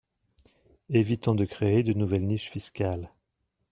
Évitons de créer de nouvelles niches fiscales.